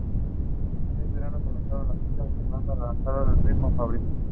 Cuatro núculas con un grueso anillo en forma de collar en la base.